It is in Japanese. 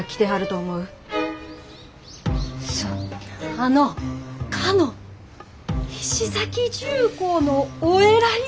あのかの菱崎重工のお偉いさん！